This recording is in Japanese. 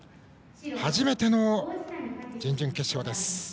初めての準々決勝です。